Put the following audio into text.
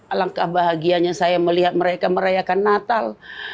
alangkah bahagianya saya melihat mereka merayakan natal